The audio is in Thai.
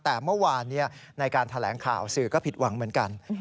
แต่เมื่อวานในการแถลงข่าวสื่อก็ผิดหวังเหมือนกัน